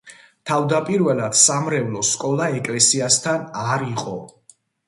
თავდაპირველად სამრევლო სკოლა ეკლესიასთან არ იყო.